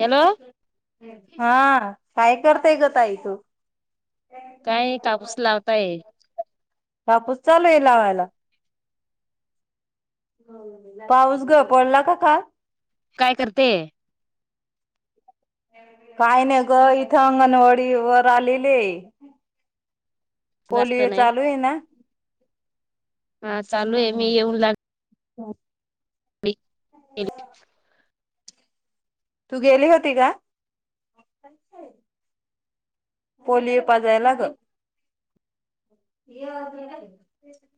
Hello हा काय करतेय गं ताई तू? काय कापूस लावताय. कापूस चालुयं लावायला. पाऊस ग पडला का काल? काय करते? काय नाही ग इथं अंगणवाडी वर आलेले जास्त पोलिओ नाही चालू आहे ना. हा चालू आहे मी येऊन लाग च [inaudible] [inaudible] तू गेली होती का? पोलिओ पाजाय लाग. य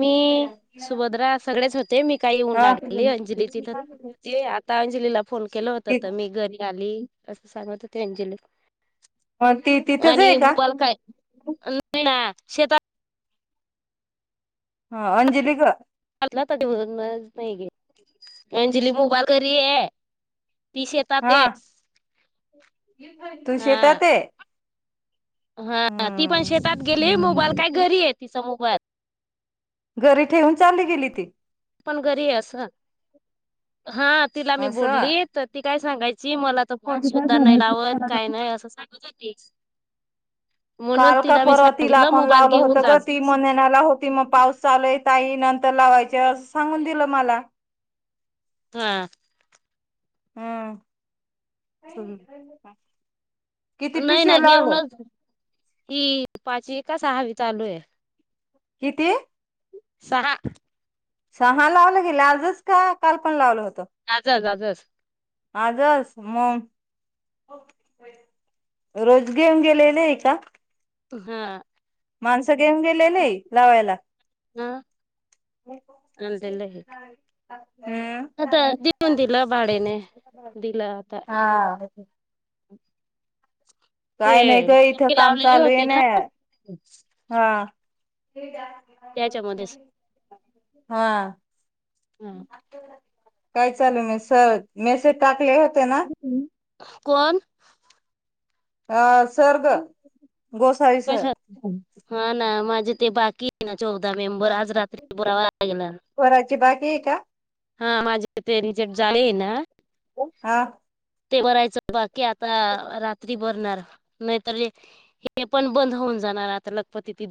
मी सुभद्रा सगळेच होते मी काही येऊन हा लागलेली अंजली तिथं ते आता अंजलीला फोन केला होत तर मी घरी आली, असं सांगत होते अंजली. ती तिथेच आहे आणि का? मोबाल काय नाही ना शेता हा अंजली गं [unintelligible] नाही घे, अंजली मोबाईल घरी आहे. ती सेतात हा हे तू आ शेतात आहे हा ती पण हम्म. शेतात गेली, मोबाईल काय घरी आहे तिचा मोबाईल घरी ठेवून चाली गेली ती. पण घरी आहे असं, हा तिला मी बोलली तर ती काय सांगाय ची मला तर फोन सुद्धा नाही असं. लावत काय नाही असं सांगत होती. म्हणून काल का तिला मी परवा तिला सांगितलं पण मोबाईल लावलं घेऊन होतं जा गं ती मग नेण्याला होती मग पाऊस आलेय. ताई नंतर लावायचे असं सांगून दिलं मला. हा. हम्म. किती नाही ना पिशव्या लावले घेऊनच ही पाचवी का सहावी चालू आहे. किती? सहा. सहा लावलं गेलं आजच का काल पण लावलं होत आजचं आजचं आजचं म रोज घेऊन गेलेले आहे का? हा. माणसं घेऊन गेलेले लावायला. हा नांदेला हम्म आता दिऊन दिलं भाडेने दिलं आता. हा काही नाही ते ग इथं काम लावलेली चालू ये होती ना हा. त्याच्यामध्येच हा हा काय चालू मी सर मेसेज टाकले होते ना? कोण? आ सर गं कशात हा ना माझे ते बाकी चौदा मेंबर आज रात्री बारा वाजता येणार करायची बाकी आहे का हा माझे ते रिजेक्ट झालेय नाही हा ते भरायचं बाकी आता रात्री बरणार नाहीत पण बंद होऊन जाणार आता लखपती ति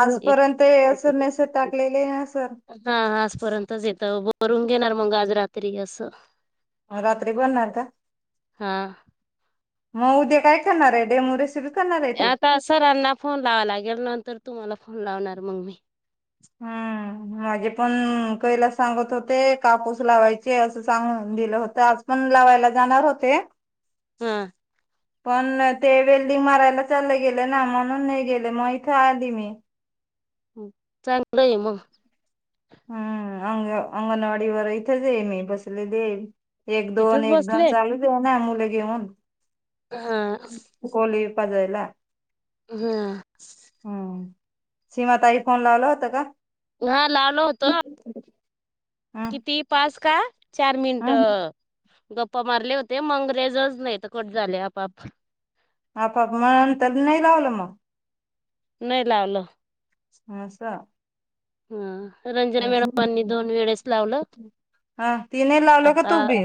आज पर्यंत हे अस मेसेज टाकलेले आहे हा आजपर्यंतच येत बरून घेणार मग आज रात्री असं रात्री भरणार का हा मग उद्या काय करणार आहे डेम आता सरांना फोन लावा लागेल नंतर तुम्हाला फोन लावणार मग मी हम् माझे पण कैला सांगत होते कापूस लावायचे असं सांग दिलं होतं आज पण लावायला जाणार होते हम्म पण ते वेल्डिंग मारायला चालले गेले ना म्हणून नाही गेले मग इथे आली मी चांगलं आहे मग हम्म अंग अंगणवाडी वर इथेच आहे मी बसले दे एक दोन तिथंच एक दन बसले चालूच आहे ना मुले घेऊन हा कोली पाजयला हा सीमा ताईला फोन लावला होता का हा लावलो होतो हम्म किती पाच का चार मिनिट हम्म गप्पा मारले होते मंग्रेजच नाही तर कट झाले आपाआप आपप म्हणंत नाही लावलं मग नाही लावलं अस हा रंजना मॅडमांनी दोन वेळेस लावलं हा तिने लावलं का आता तू बी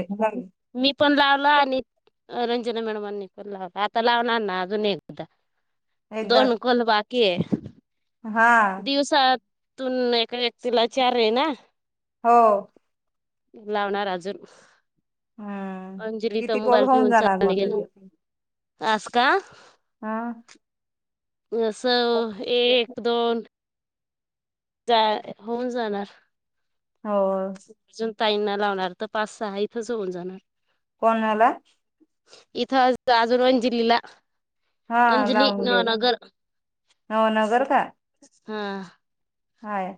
मी पण लावलं आणि रंजना मॅडमनी पण आता लावणार ना अजून एक एकदा दोन कॉल बाकी- की हा दिवसातून एका व्यक्तीला वि चार आहे ना हो लावणार अजून हम्म अंजली तर किती कॉल मोबाईल होऊन ठेऊन जाणार चाले मग तुझे गेलं अस का हा आस एक दोन जा होऊन जाणार हो ताईन ना लावणार तर पाच सहा इथंच होऊन जाणार कोणाला इथ अजर जिलला हा अंजली लावून घे ना नगर नवनगर का हा हाय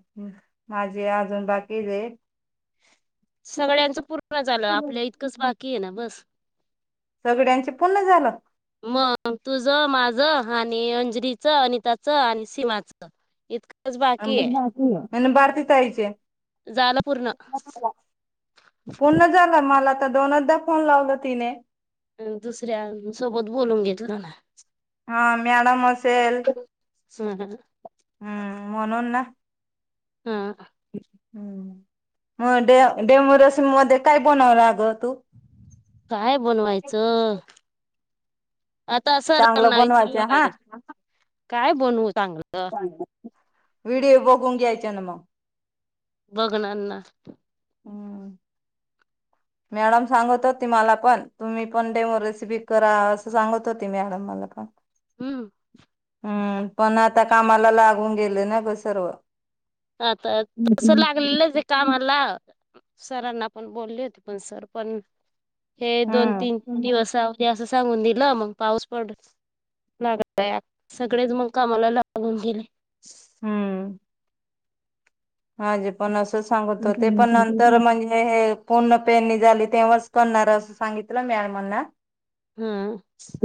माझे अजून बाकीचे सगळ्यांचं पूर्ण झालं आपल्या इतकंच बाकी आहे ना बस सगळ्यांचे पूर्ण झालं मग तुझं माझं आणि अंजरीचं अनिताचं आणि सीमाचं इतकं भारती ताईचे झालं पूर्ण पूर्ण झाला मला तर दोनदा फोन लावल तिने अ दुसऱ्यान सोबत बोलून घेतल ना हा मॅडम असेल. हम्म हम्म हम्म म्हणून ना हा. हम्म ह मग डे डेब रसम मध्ये काय बनवं लाग तू काय बनवायचं. आता चांगलं सरांना विचार बनवायचं हा. लागेल काय बनवू चांगलं? व्हिडिओ बघून घ्यायचे ना मग बघनाना हम्म. मॅडम सांगत होती मला पण तुम्ही पण डेमो रेसिपी करा असं सांगत होती मॅडम मला पण हम्म हम्म पण आता कामाला लागून गेले ना ग सर्व आता तस हम्म. लागलेलं जे काम आ ला सरांना पण बोलली होती पण सर पण हे दोन तीन दिवस राहुदे असं सांगून दिलं मग पाऊस पडत लागलाय सगळेच मग कामाला लागून गेले. हम्म माझे पण असं सांगत होते पण नंतर म्हणजे हे पूर्ण पेरणी झाली तेव्हाच करणार असं सांगितलं मॅडमांना हम्म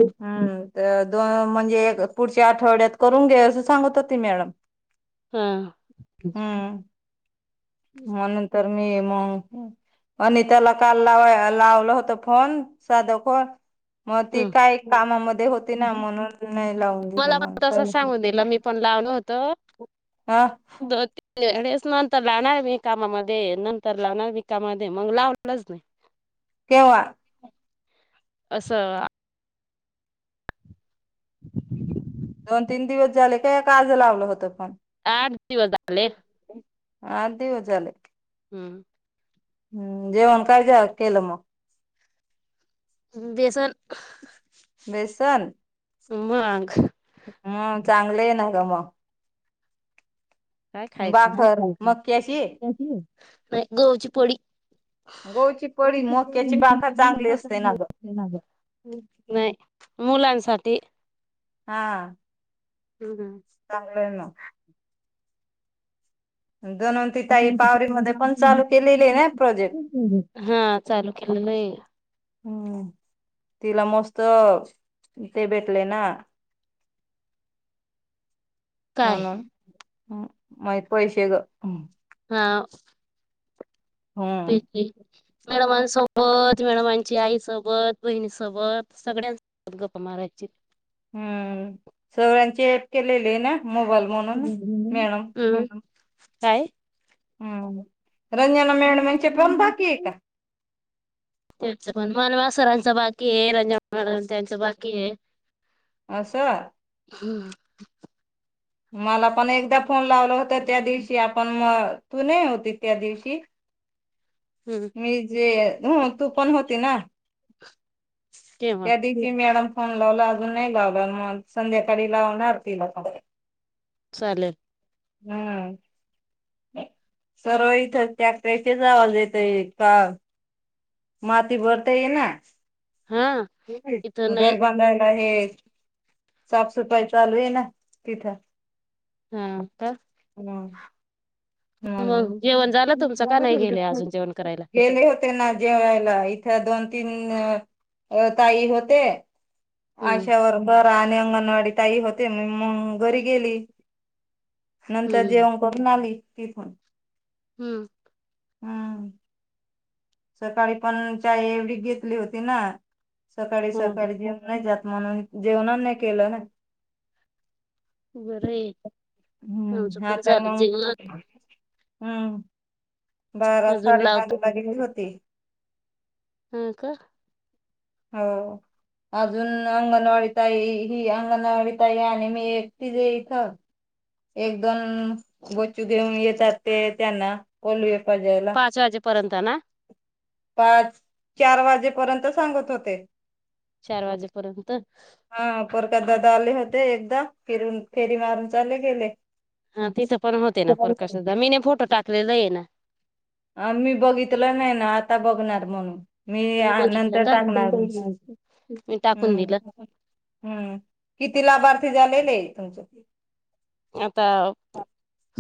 हम्म दोन म्हणजे पुढच्या आठवड्यात करून घे असं सांगत होती मॅडम हा हम्म ह म नंतर मी मग आणि त्याला काल लावा लावलं होतं फोन साधा कॉल मग हा. ती काही कामामध्ये होती ना म्हणून नाही लावून दिलं मग आलं होतं ह [inaudible] डेच नंतर लावणार मी कामामध्ये नंतर लावणार मी कामामध्ये मग लावलंच नाही केव्हा? असं [inaudible] दोन तीन दिवस झाले काय आज लावलं होतं. पण आठ दिवस झाले. आठ दिवस झाले. हम्म हम्म जेवण काय झा केलं मग बेसन सन मग हम् चांगल आहे ना ग मग काय खायचं बाखर [unintelligible] मक्याची नाही गवाची पोळी गहूची हो पळी ती मक्याची पण बाखर [unintelligible] चांगली ना असते ग नाही मुलांसाठी हा. हम्म. चांगलंय ना मग जणून ती ताई पावरीमध्ये पण चालू केलेली आहे ना प्रोजेक्ट हा चालू केलेलं आहे. [inaudible] हम्म तिला मस्त ते भेटले ना काय म्हणून माहित पैसे ग हा हम्म ते मॅडमां स पत मेळमांची आईसोबत बहिणीसोबत सगळ्यांोत गप्पा महाराजची हम्म सगळ्यांची ऍप केलेली आहे ना मोबाईल म्हणून मेणम हम्म काय हम रंजना मेड म्हचे पण बाकी आहे का त्याच पण मानवा सरांचं बाकी आहे रंजा म त्यांचं बाकी आहे अस सर हम्म मला पण एकदा फोन लावला होता त्या दिवशी आपण म त नाही होती त्या दिवशी हम्म मी जे ह तू पण होती ना तेव्हा या दे मॅडम फोन लावला अजून नाही लावला मग संध्याकाळी लावणार तिला फ चालेल हम्म सर्व इथं त्याशच आवाज येतय का मााती भरता येई ना हा इथं नाही घर बांधायला आहे साफ सफाई चालू आहे ना तिथं हा का हम ह मग जेवण झालं तुमचं का नाही गेले अजून जेवण करायला? गले होते ना जेवला दोन तीन ताई होते हम्म अशावरबर अंगणवाडी ताई होते मग घरी गेली नंतर हम्म जेवण करून आली तिथून हम्म हम सकाळी पण चाय एवढी घेतली होती ना सकाळी हम्म सकाळी जेव नाही जात म्हणून जेवणानी केलं ना बरं आहे आमचं हम्म हा पण तर झालं म जेवण हम्म बारा अजून साडे लावता बजला गेली होती ह का हो अजून अंगणवाडीत आई ही अंगणवाडीत आई आणि मी एकटीच इथं एकदम बच्चू घेऊन येतात ते त्यांना पोल पाजाला पर्यंत ना पाच चार वाजेपर्यंत सांगत होते चार वाजेपर्यंत हा पोरकतदाादा आले होते एकदा फिरून फेरी मारून चाले गेले हा तिथं पण होते ना प्रकाश सुद्धा मीे फोटो टाकलेला आहे ना आ मी बघितलं नाही ना आता बघणार म्हणून मी नाही बघितलं नंतर का टाकणार मी टाकून हम् दिलं हम्म किती लाभार्थी झालेले आहे तुमच्या आता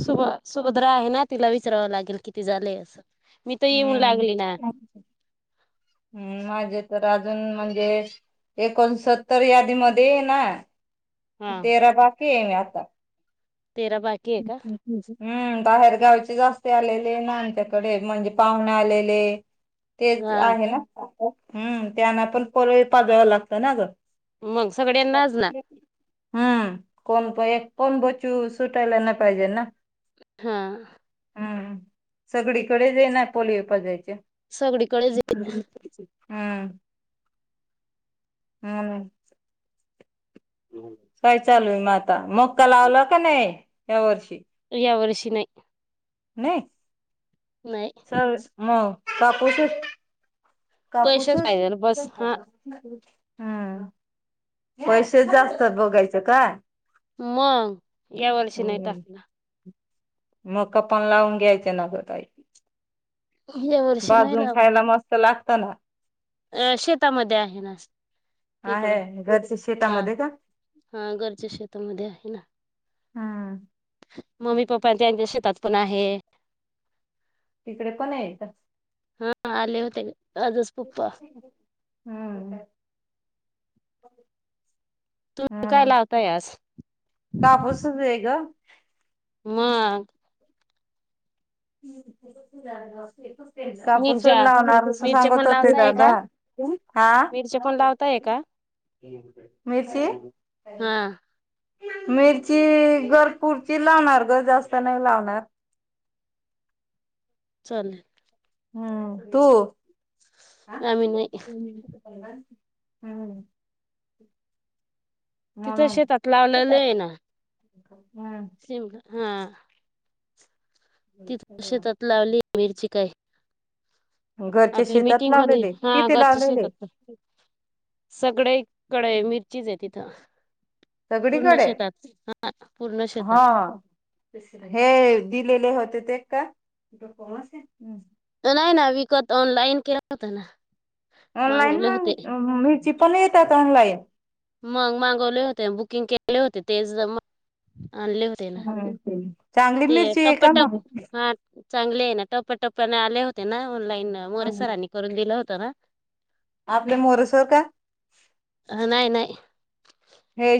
सुभ सुभद्र आहे ना तिला विचरावं लागेल किती झालंय असं मी तर येऊन लागली ना हम्म हम्म माझे तर अजून म्हणजे एकोणसत्तर यादीमध्ये ना हा तेरा बाकी येम आता तेरा बाकी आहे का हम् बाहेरगावचे जास्ती आलेले ना आच्याकडे म्हणजे पाहुणे आलेले तेच हा आहे ना का हम् त्यांना पण पळी पाजाव लागतं ना जर मग सगळ्यांनाच ना हम्म कोण कोण बचू सुटायला नाही पाहिजे ना. हा. हम्म सगळीकडेच आहे ना पोलिओ पाजायचे. सगळीकडेच हम्म. हम्. काय चालू आहे मगं आता मक्का लावला का नाही या वर्षी. या वर्षी नाही. नाही. नाही. सर मग कापूसच पैसेच कापूसच. पाहिजेल बस हा हम्म, पैसे जास्त बघायचे कायं. मगं या वर्षी नाही टाकला. मक्का पन लावून घ्यायचं ना गं ताई. या वर्षी नाही भाजून लाव खायलां मस्तं लाग- अ शेतामध्ये आहे ना. तिकडं आहे घरच्या हा शेतामध्ये का हा घरच्या शेतामध्ये आहे ना. हा. मम्मी पप्पा त्यांच्या शेतात पणं आहे. तिकडे पणं आहेेत. हा आले होते आजच पप्पा. हम्म हा काय ना लावताय आज [unintelligible] दे गं. मगं. [inaudible] कापूस मिरच्या लावणार असः मिरच्या सांगत पण होते लावताय दादा का हा. मिरच्या पण लावताय का मिरची. हा मिरची घर पूरती लावणार गं जास्त नाही लावणारं. चालेलं. हम्म तू. आम्ही नाही. हम्म. तिथं शेतात लावलेलं आहे ना. हम्म शिमला हा. तीत शेतात लावली मिरची कायं? घरच्या आपली शेतात मिटिंग होती लावलेले हा किती घरच्या शेतात लावलेले पणं. सगळेकडे मिरचीच आहे तिथं. पूर्ण सगळीकडे शेतात हा पूर्ण हा शेतात. हे दिलेले होते ते का? नाही ना विकत ऑनलाईन केला होत ना. ऑनलाईन मागवले होते. मग मिरची पण येतात ऑनलाईन मगं मागवले होते. बुकिंग केले होते तेच. आणले होते ना चांगली ते मिरची आहे का टप्पटप मगं. हा चांगले आहे ना टप्प्याटप्प्याने आले होते ना ऑनलाईन मोरेसरांनी करून दिलं होत ना. आपल्या मोरेसर काय? नाही नाही हे.